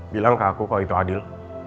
bilang ke aku kalau itu adil